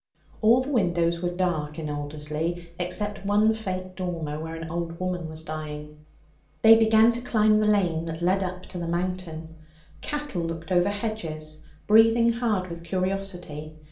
All the windows were dark in Alderslea, except one faint dormer where an old woman was dying. They began to climb the lane that led up to the Mountain. Cattle looked over hedges, breathing hard with curiosity.